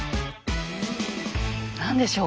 何でしょう？